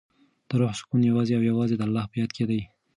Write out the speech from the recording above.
د روح سکون یوازې او یوازې د الله په یاد کې دی.